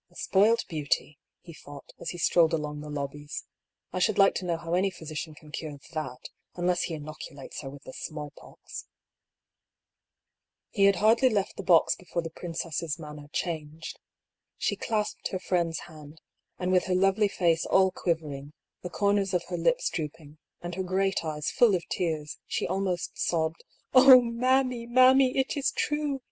" A spoilt beauty," he thought, as he strolled along the lobbies. " I should like to know how any physician can cure tJiat^ unless he inoculates her with the small pox !" He had hardly left the box before the princess' man ner changed. She clasped her friend's hand, and with her lovely face all quivering, the corners of her lips drooping, and her great eyes full of tears, she almost sobbed :" Oh, mammy, mammy ! It is true !